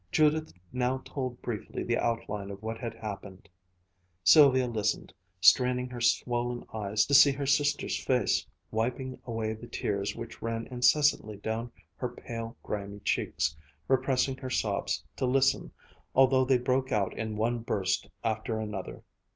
Judith now told briefly the outline of what had happened. Sylvia listened, straining her swollen eyes to see her sister's face, wiping away the tears which ran incessantly down her pale, grimy cheeks, repressing her sobs to listen, although they broke out in one burst after another.